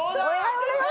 お願い！